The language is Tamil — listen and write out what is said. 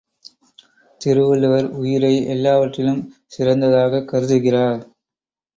திருவள்ளுவர் உயிரை எல்லாவற்றிலும் சிறந்ததாகக் கருதுகிறார்.